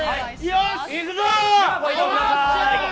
よし、いくぞ。